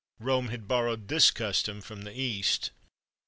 Rome had borrowed this custom from the east.